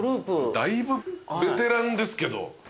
だいぶベテランですけど。